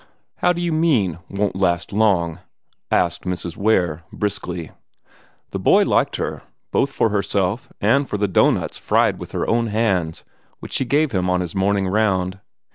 "How do you mean 'won't last long'?", asked Mrs. Ware, briskly. The boy liked her both for herself, and for the doughnuts fried with her own hands, which she gave him on his morning round.